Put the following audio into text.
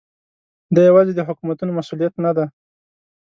دا یوازې د حکومتونو مسؤلیت نه دی.